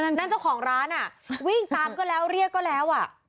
นั่นเจ้าของร้านอ่ะวิ่งตามก็แล้วเรียกก็แล้วอ่ะ